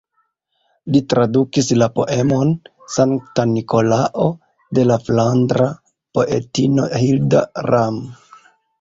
Li tradukis la poemon "Sankta Nikolao" de la flandra poetino Hilda Ram.